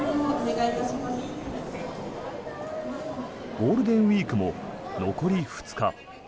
ゴールデンウィークも残り２日。